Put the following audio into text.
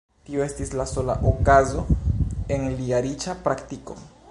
Tio estis la sola okazo en lia riĉa praktiko.